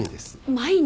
毎日！？